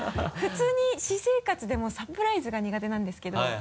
普通に私生活でもサプライズが苦手なんですけど。